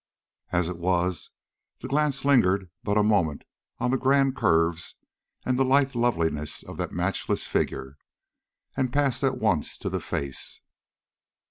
As it was, the glance lingered but a moment on the grand curves and lithe loveliness of that matchless figure, and passed at once to the face.